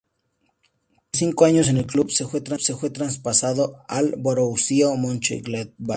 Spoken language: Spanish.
Tras cinco años en el club se fue traspasado al Borussia Mönchengladbach.